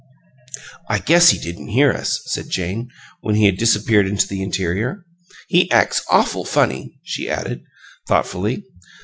"I guess he didn't hear us," said Jane, when he had disappeared into the interior. "He acks awful funny!" she added, thoughtfully.